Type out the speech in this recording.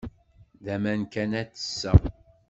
D aman kan ay ttesseɣ.